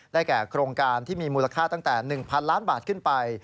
แก่โครงการที่มีมูลค่าตั้งแต่๑๐๐ล้านบาทขึ้นไป